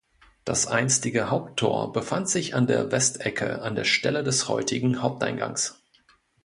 Das einstige Haupttor befand sich an der Westecke an der Stelle des heutigen Haupteingangs.